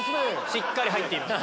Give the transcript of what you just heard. しっかり入っています。